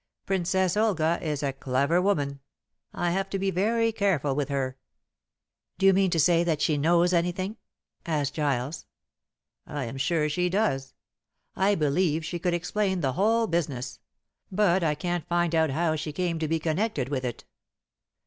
Princess Olga is a clever woman. I have to be very careful with her." "Do you mean to say that she knows anything?" asked Giles. "I am sure she does. I believe she could explain the whole business; but I can't find out how she came to be connected with it.